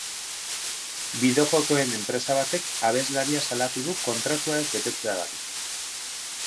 Bideojokoen enpresa batek abeslaria salatu du kontratua ez betetzeagatik.